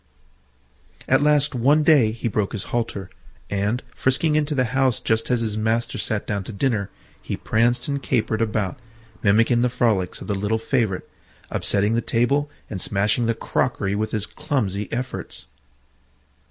At last one day he broke his halter, and frisking into the house just as his master sat down to dinner, he pranced and capered about, mimicking the frolics of the little favourite, upsetting the table and smashing the crockery with his clumsy efforts.